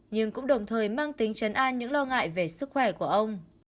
nhưng cũng đồng thời mang tính chấn an những lo ngại về sức khỏe của ông